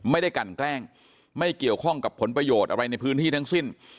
ไม่ได้กันแกล้งไม่เกี่ยวข้องกับผลประโยชน์อะไรในพื้นที่ทั้งสิ้น